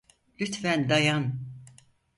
Lütfen dayan.